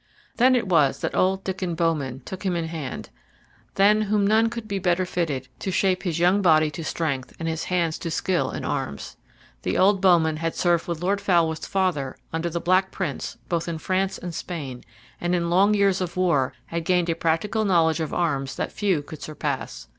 Then it was that old Diccon Bowman took him in hand, than whom none could be better fitted to shape his young body to strength and his hands to skill in arms. The old bowman had served with Lord Falworth's father under the Black Prince both in France and Spain, and in long years of war had gained a practical knowledge of arms that few could surpass.